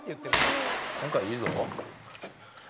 今回いいぞ。